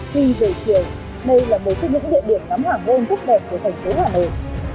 khi về chiều đây là một trong những địa điểm ngắm hòa ôn rất đẹp của thành phố hà nội